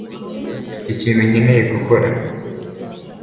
mfite ikintu nkeneye gukora